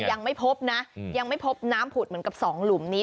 ยังไม่พบนะยังไม่พบน้ำผุดเหมือนกับสองหลุมนี้